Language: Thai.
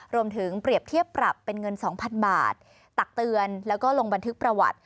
เปรียบเทียบปรับเป็นเงิน๒๐๐๐บาทตักเตือนแล้วก็ลงบันทึกประวัติ